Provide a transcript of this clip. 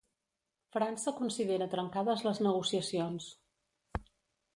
França considera trencades les negociacions.